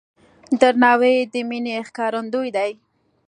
درناوی د مینې ښکارندوی دی.